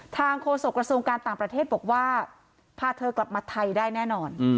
โฆษกระทรวงการต่างประเทศบอกว่าพาเธอกลับมาไทยได้แน่นอน